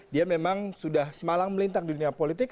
dia memang sudah malang melintang di dunia politik